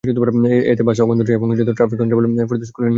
এতে বাসে আগুন ধরে যায় এবং ট্রাফিক কনস্টেবল ফেরদৌস খলিল নিহত হন।